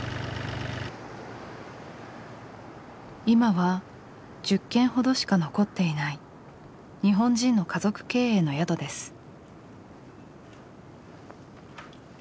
今は１０軒ほどしか残っていない日本人の家族経営の宿です。